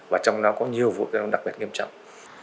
và trong đó có nhiều vụ tai nạn thông đặc biệt nghiêm trọng